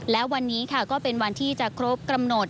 และวันนี้ค่ะก็เป็นวันที่จะครบกำหนด